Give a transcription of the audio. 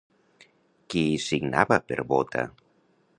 Qui hi signava per Bóta?